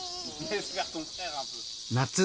夏。